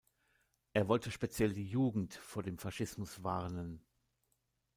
Er wollte speziell die Jugend vor dem Faschismus warnen.